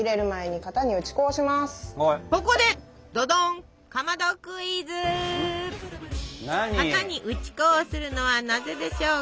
型に打ち粉をするのはなぜでしょうか？